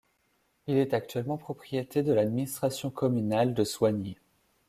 Il est actuellement propriété de l'administration communale de Soignies.